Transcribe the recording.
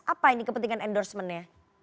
apa ini kepentingan endorsement nya